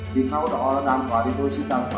vì sau đó giam khóa thì tôi xin giam khóa